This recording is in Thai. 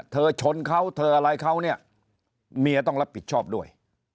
เธอชนเขาเธออะไรเขาเมียต้องรับผิดชอบด้วย